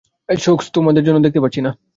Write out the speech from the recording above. সোকস, তোমার জন্য দেখতে পারছি না।